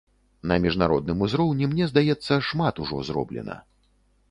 На міжнародным узроўні, мне здаецца, шмат ужо зроблена.